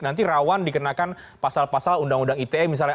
nanti rawan dikenakan pasal pasal undang undang ite misalnya